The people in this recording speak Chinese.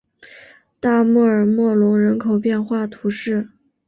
大穆尔默隆人口变化图示